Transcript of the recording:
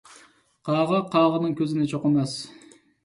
قاغا قاغىنىڭ كۆزىنى چوقۇماس.